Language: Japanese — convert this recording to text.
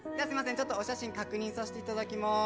ちょっとお写真確認させていただきます。